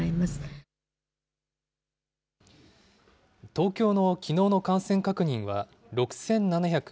東京のきのうの感染確認は６７７６人。